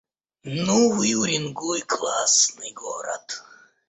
Новый Уренгой — классный город